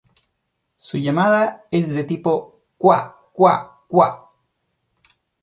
Su llamada es de tipo "kua-kua-kua".